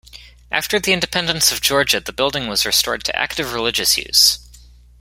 After the independence of Georgia, the building was restored to active religious use.